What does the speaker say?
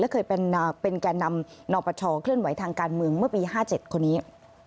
และเคยเป็นแก่นำนปชเคลื่อนไหวทางการเมืองเมื่อปี๕๗คนนี้